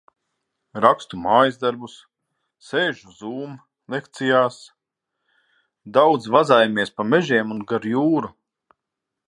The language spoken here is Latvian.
Rakstu mājasdarbus, sēžu "Zūm" lekcijās. Daudz vazājamies pa mežiem un gar jūru.